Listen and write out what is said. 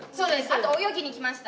あと泳ぎに来ました。